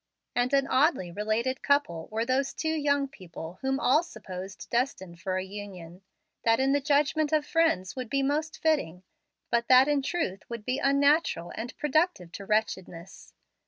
And an oddly related couple were those two young people whom all supposed destined for a union, that in the judgment of friends would be most fitting, but that in truth would be unnatural and productive of wretchedness.